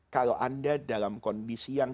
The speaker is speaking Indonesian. kalau anda dalam kondisi yang